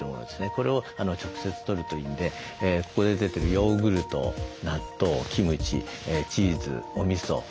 これを直接とるといいんでここで出てるヨーグルト納豆キムチチーズおみそおしんこみたいなね漬物ですね。